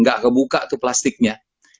gak kebuka tuh plastiknya